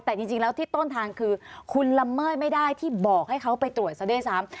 แต่จริงแล้วที่ต้นทางคือคุณละเมิดไม่ได้ที่บอกให้เขาไปตรวจซะด้วยซ้ำ